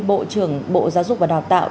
bộ trưởng bộ giáo dục và đào tạo